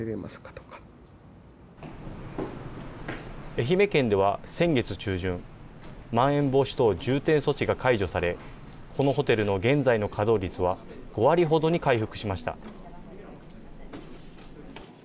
愛媛県では先月中旬、まん延防止等重点措置が解除され、このホテルの現在の稼働率は５割ほどに回復しました。